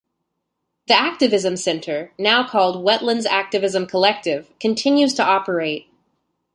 The Activism Center, now called Wetlands Activism Collective, continues to operate.